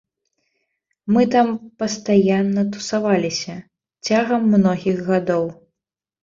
Мы там пастаянна тусаваліся, цягам многіх гадоў.